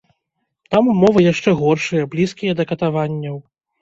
Там умовы яшчэ горшыя, блізкія да катаванняў.